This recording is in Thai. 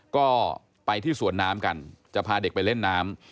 ก็ไปที่สวนน้ำกันจะพาเด็กไปเล่นน้ำ